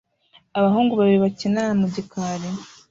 Abahungu babiri bakina na mu gikari